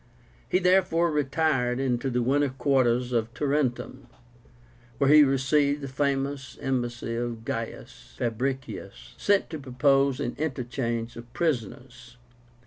He therefore retired into winter quarters at Tarentum, where he received the famous embassy of GAIUS FABRICIUS, sent to propose an interchange of prisoners.